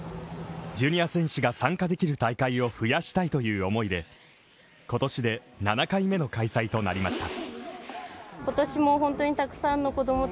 ジュニア選手が参加できる大会を増やしたいという思いで今年で７回目の開催となりました。